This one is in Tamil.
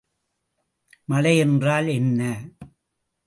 மழை என்றால் என்ன?